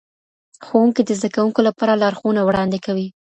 ښوونکي د زدهکوونکو لپاره لارښوونه وړاندی کوي.